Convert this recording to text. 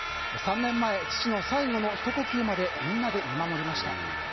３年前、父の最期のひと呼吸までみんなで見守りました。